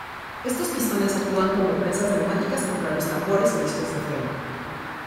Estos pistones actúan como prensas neumáticas contra los tambores o discos de freno.